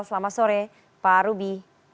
selamat sore pak rubi